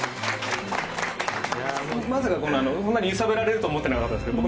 まさかこんな揺さぶられると思ってなかったんですけど